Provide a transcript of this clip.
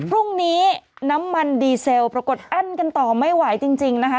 พรุ่งนี้น้ำมันดีเซลปรากฏอั้นกันต่อไม่ไหวจริงนะคะ